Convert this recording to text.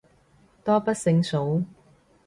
多不勝數